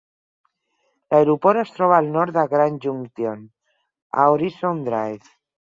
L'aeroport es troba al nord de Grand Junction, a Horizon Drive.